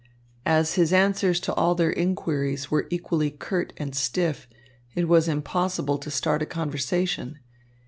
As his answers to all their inquiries were equally curt and stiff, it was impossible to start a conversation.